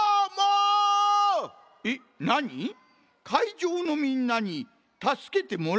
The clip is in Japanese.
えっなに？かいじょうのみんなにたすけてもらおうじゃと？